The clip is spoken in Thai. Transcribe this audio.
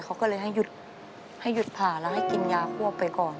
เขาก็เลยให้หยุดผ่าและให้กินยาคั่วไปก่อน